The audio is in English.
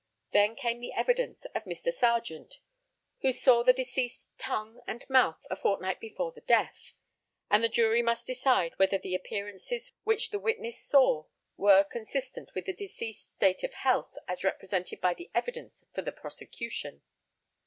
Then they came to the evidence of Mr. Serjeant, who saw the deceased's tongue and mouth a fortnight before the death, and the jury must decide whether the appearances which the witness saw were consistent with the deceased's state of health as represented by the evidence for the prosecution.